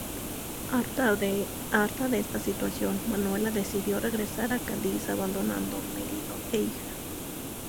Harta de esta situación, Manuela decidió regresar a Cádiz, abandonando marido e hija.